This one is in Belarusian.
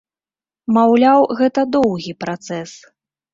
Маўляў, гэта доўгі працэс.